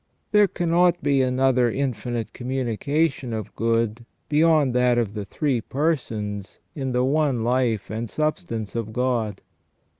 There cannot be another infinite communication of good beyond that of the Three Persons in the one life and substance of God.